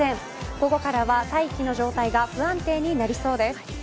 午後からは、大気の状態が不安定になりそうです。